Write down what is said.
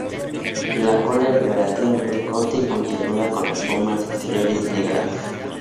La cola es relativamente corta y puntiaguda, con las plumas exteriores negras.